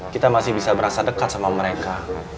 kita masih bisa berasa dekat sama mereka